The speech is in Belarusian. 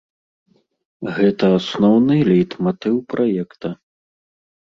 Гэта асноўны лейтматыў праекта.